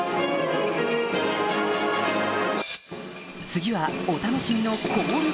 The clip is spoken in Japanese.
次はお楽しみのコール